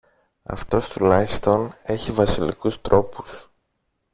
Αυτός τουλάχιστον έχει βασιλικούς τρόπους!